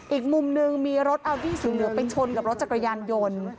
อีกมุมหนึ่งมีรถอัลดี้สีเหลืองไปชนกับรถจักรยานยนต์